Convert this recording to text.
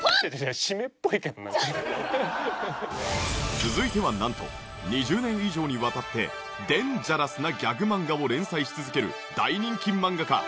続いてはなんと２０年以上にわたって「でんぢゃらす」なギャグ漫画を連載し続ける大人気漫画家。